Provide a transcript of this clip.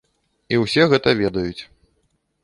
І ўсе гэта ведаюць.